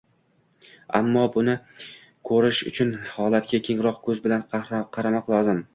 Ammo, buni ko‘rish uchun holatga kengroq ko‘z bilan qaramoq lozim